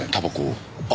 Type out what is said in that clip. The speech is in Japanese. あっ！